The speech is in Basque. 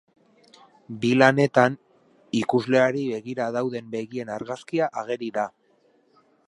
Bi lanetan, ikusleari begira dauden begien argazkia ageri da.